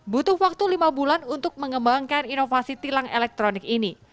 butuh waktu lima bulan untuk mengembangkan inovasi tilang elektronik ini